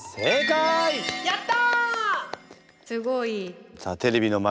やった！